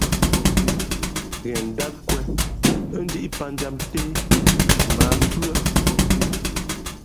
Ghen ndát nkwēn ά dǐʼ pǎtjam nté mα ǎ púá.